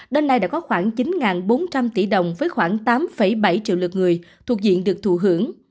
đơn này đã có khoảng chín bốn trăm linh tỷ đồng với khoảng tám bảy triệu lượt người thuộc diện được thù hưởng